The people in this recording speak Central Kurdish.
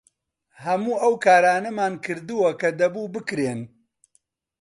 هەموو ئەو کارانەمان کردووە کە دەبوو بکرێن.